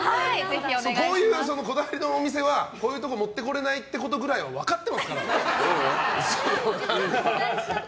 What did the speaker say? こういうこだわりのお店はこういうところに持ってこれないってことくらい分かってますから。